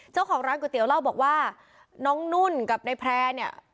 เจ้าของร้านก๋วยเตี๋ยวเล่าบอกว่าน้องนุ่นกับนายแพร่เนี่ย